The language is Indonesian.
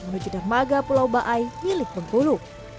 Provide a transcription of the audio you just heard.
menuju dermaga pulau baai milik bengkulu